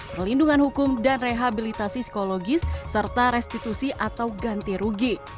perlindungan hukum dan rehabilitasi psikologis serta restitusi atau ganti rugi